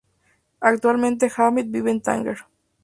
Actualmente, Hamid vive en Tánger.